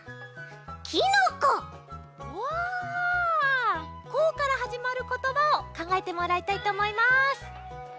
「こ」からはじまることばをかんがえてもらいたいとおもいます。